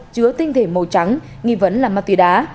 chứa tinh thể màu trắng nghi vấn là ma túy đá